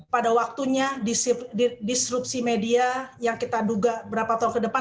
pada waktunya disrupsi media yang kita duga berapa tahun ke depan